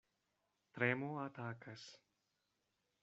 Tremo atakas.